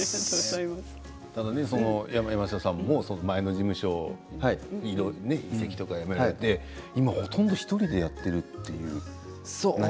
山下さんも前の事務所を移籍とか辞められてほとんど１人でやっていると。